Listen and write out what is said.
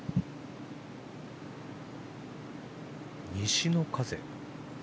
西の風。